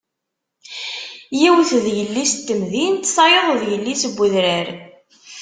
Yiwet d yelli-s n temdint, tayeḍ d yelli-s n wedrar.